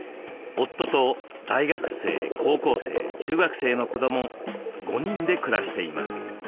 夫と大学生高校生中学生の子ども５人で暮らしています。